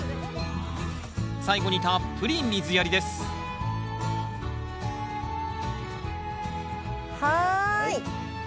最後にたっぷり水やりですはい！